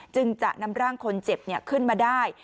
จึงจะนำร่างคนเจ็บขึ้นมาได้